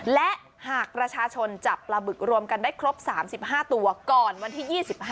และหากประชาชนจับปลาบึกรวมกันได้ครบ๓๕ตัวก่อนวันที่๒๕